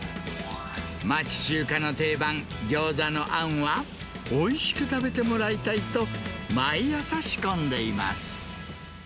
町中華の定番、ギョーザのあんは、おいしく食べてもらいたいと、毎朝仕込んでいます。